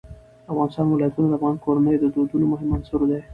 د افغانستان ولايتونه د افغان کورنیو د دودونو مهم عنصر دی.